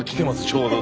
ちょうど。